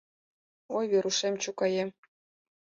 — Ой, Верушем, чукаем!